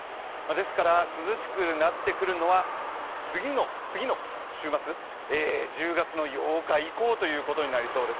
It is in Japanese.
ですから涼しくなってくるのは次の次の週末、１０月８日以降ということになりそうです。